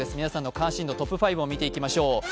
皆さんの関心度トップ５を見ていきましょう。